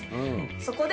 そこで、